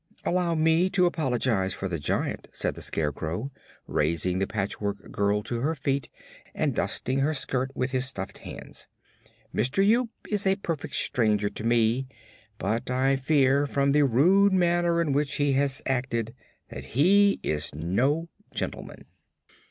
"Allow me to apologize for the Giant," said the Scarecrow, raising the Patchwork Girl to her feet and dusting her skirt with his stuffed hands. "Mister Yoop is a perfect stranger to me, but I fear, from the rude manner in which he has acted, that he is no gentleman."